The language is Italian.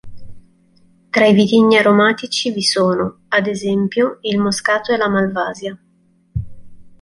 Tra i vitigni aromatici vi sono, ad esempio, il moscato e la malvasia.